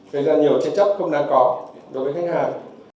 thế là nhiều chế chấp không đáng có đối với khách hàng